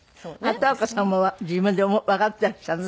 あっ十和子さんも自分でわかっていらっしゃるの？